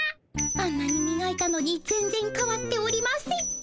あんなにみがいたのに全ぜんかわっておりません。